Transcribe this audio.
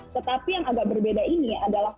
tetapi yang agak berbeda ini adalah